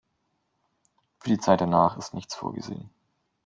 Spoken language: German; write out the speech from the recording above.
Für die Zeit danach ist nichts vorgesehen.